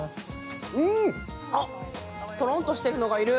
とろんとしてるのがいる。